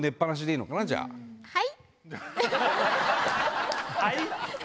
「はい？」。